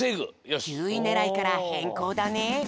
９いねらいからへんこうだね。